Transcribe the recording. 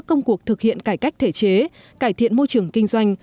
công cuộc thực hiện cải cách thể chế cải thiện môi trường kinh doanh